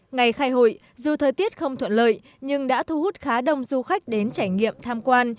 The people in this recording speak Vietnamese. ngày khai hội dù thời tiết không thuận lợi nhưng đã thu hút khá đông du khách đến trải nghiệm tham quan